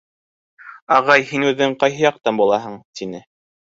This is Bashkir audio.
— Ағай, һин үҙең ҡайһы яҡтан булаһың? — тине.